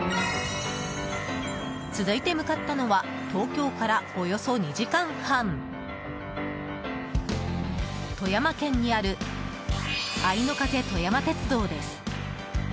続いて向かったのは東京からおよそ２時間半富山県にあるあいの風とやま鉄道です。